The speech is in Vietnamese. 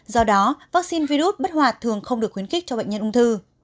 do đó vaccine virus bất hoạt thường không được khuyến khích cho bệnh nhân ung thư